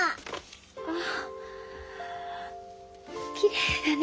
あきれいだね。